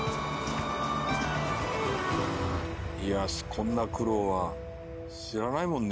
こんな苦労は知らないもんね。